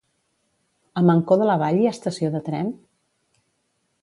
A Mancor de la Vall hi ha estació de tren?